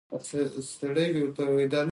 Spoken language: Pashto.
جواهرات د افغانستان د هیوادوالو لپاره ویاړ دی.